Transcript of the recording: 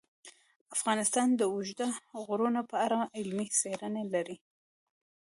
افغانستان د اوږده غرونه په اړه علمي څېړنې لري.